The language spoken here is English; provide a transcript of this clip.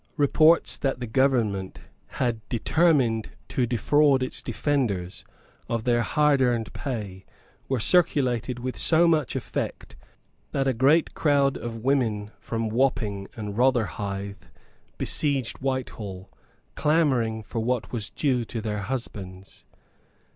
Reports that the government had determined to defraud its defenders of their hard earned pay were circulated with so much effect that a great crowd of women from Wapping and Rotherhithe besieged Whitehall, clamouring for what was due to their husbands.